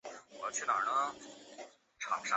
伊犁小檗是小檗科小檗属的植物。